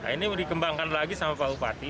ini dikembangkan lagi sama pak bupati